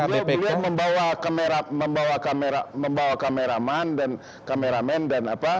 beliau membawa kameraman dan kameramen